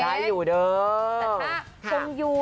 กดอย่างวัยจริงเห็นพี่แอนทองผสมเจ้าหญิงแห่งโมงการบันเทิงไทยวัยที่สุดค่ะ